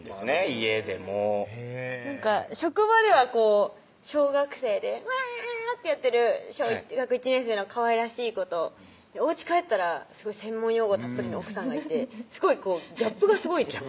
家でもへぇなんか職場ではこう小学生でワーッてやってる小学１年生のかわいらしい子とおうち帰ったら専門用語たっぷりの奥さんがいてギャップがすごいですよね